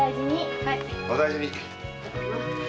お大事に。